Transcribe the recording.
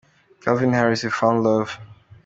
Calvin Harris – We Found Love.